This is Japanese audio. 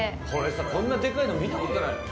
こんなでかいの見たことない。